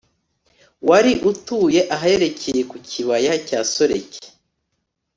wari utuye aherekera ku kibaya cya soreki